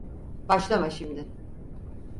Başlama şimdi.